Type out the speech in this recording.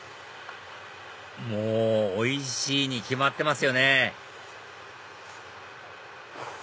もうおいしいに決まってますよね！